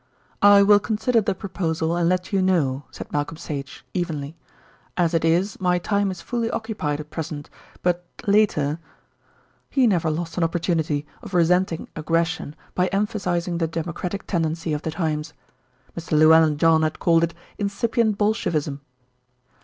"I will consider the proposal and let you know," said Malcolm Sage, evenly. "As it is, my time is fully occupied at present; but later " He never lost an opportunity of resenting aggression by emphasising the democratic tendency of the times. Mr. Llewellyn John had called it "incipient Bolshevism."